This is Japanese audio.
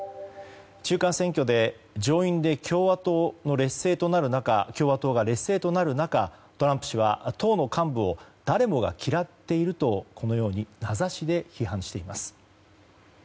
中間選挙で、上院で共和党が劣勢となる中トランプ氏は党の幹部を誰もが嫌っているとこのように名指しで批判しています。